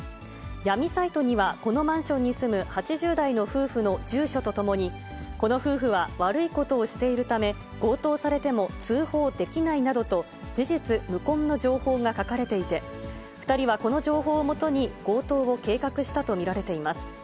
闇サイトには、このマンションに住む８０代の夫婦の住所とともに、この夫婦は悪いことをしているため、強盗されても通報できないなどと、事実無根の情報が書かれていて、２人はこの情報を基に、強盗を計画したと見られています。